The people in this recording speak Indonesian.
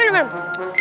terima kasih pak